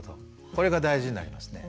これが大事になりますね。